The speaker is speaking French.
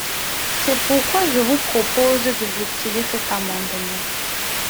C’est pourquoi je vous propose de retirer cet amendement.